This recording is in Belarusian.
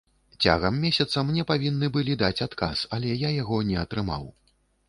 Цягам месяца мне павінны былі даць адказ, але я яго не атрымаў.